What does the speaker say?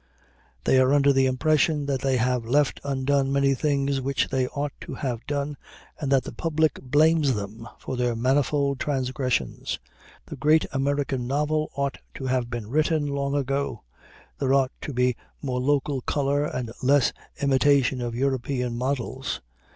They are under the impression that they have left undone many things which they ought to have done, and that the Public blames them for their manifold transgressions. That Great American Novel ought to have been written long ago. There ought to be more local color and less imitation of European models.